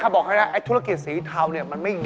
ก็ทำธุรกิจสีเทาครับ